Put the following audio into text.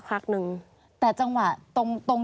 เขาก็จะวิ่งเข้าห้อง